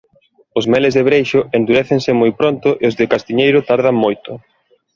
Os meles de breixo endurécense moi pronto e os de castiñeiro tardan moito.